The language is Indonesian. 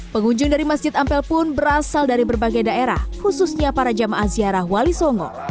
pengunjung dari masjid ampel pun berasal dari berbagai daerah khususnya para jamaah ziarah wali songo